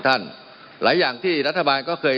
มันมีมาต่อเนื่องมีเหตุการณ์ที่ไม่เคยเกิดขึ้น